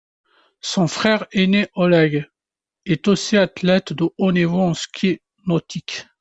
Son frère aîné Oleg est aussi athlète de haut niveau en ski nautique.